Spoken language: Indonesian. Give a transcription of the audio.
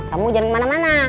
kamu jangan kemana mana